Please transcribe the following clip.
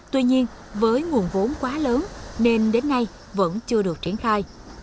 tuy nhiên với nguồn vốn quá lớn nên đến nay vẫn chưa được triển khai